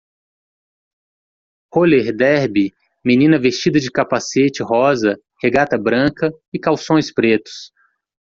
Roller derby menina vestida de capacete rosa? regata branca? e calções pretos.